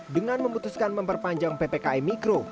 dengan memutuskan memperpanjang ppkm mikro